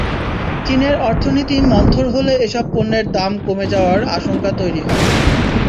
চীনের অর্থনীতি মন্থর হলে এসব পণ্যের দাম কমে যাওয়ার আশঙ্কা তৈরি হয়।